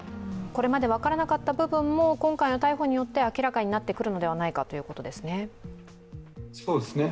これまで分からなかった部分も、今回の逮捕によって明らかになってくるのではないかということですね。